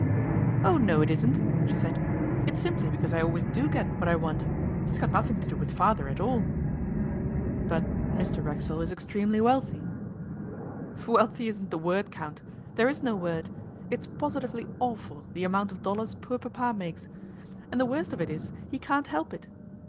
'Oh, no, it isn't!' she said. 'It's simply because I always do get what I want. It's got nothing to do with Father at all.' 'But Mr Racksole is extremely wealthy?' 'Wealthy isn't the word, Count. There is no word. It's positively awful the amount of dollars poor Papa makes. And the worst of it is he can't help it.